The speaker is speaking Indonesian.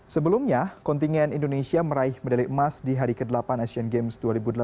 sebelumnya kontingen indonesia meraih medali emas di hari ke delapan asian games dua ribu delapan belas